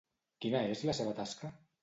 Quina és la seva tasca?